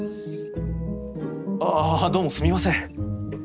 ああどうもすみません。